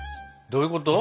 どういうこと？